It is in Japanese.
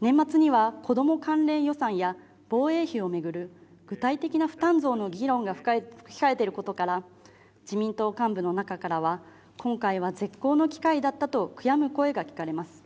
年末には子ども関連予算や、防衛費を巡る具体的な負担増の議論が控えていることから、自民党幹部の中からは今回は絶好の機会だったと悔やむ声が聞かれます。